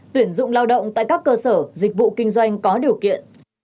tuyển dụng lao động tại các cơ sở dịch vụ kinh doanh có điều kiện